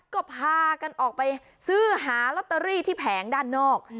ก็พากันออกไปซื้อหาลอตเตอรี่ที่แผงด้านนอก